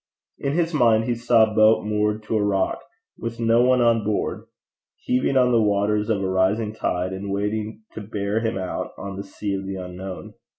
In his mind he saw a boat moored to a rock, with no one on board, heaving on the waters of a rising tide, and waiting to bear him out on the sea of the unknown.